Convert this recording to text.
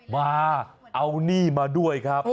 มาเอาหนี้มาด้วยครับ